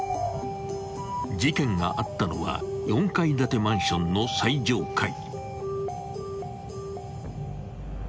［事件があったのは４階建てマンションの最上階］